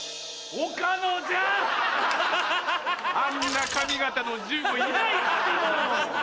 あんな髪形の１５いないってもう！